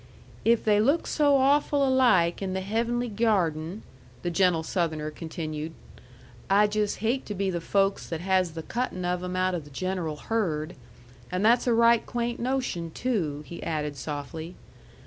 "If they look so awful alike in the heavenly gyarden," the gentle Southerner continued, "I'd just hate to be the folks that has the cuttin' of 'em out o' the general herd. And that's a right quaint notion too," he added softly.